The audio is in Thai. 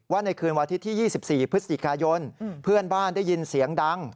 ในคืนวันอาทิตย์ที่๒๔พฤศจิกายนเพื่อนบ้านได้ยินเสียงดัง